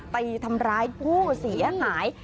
ไปทำร้ายผู้เสียหาย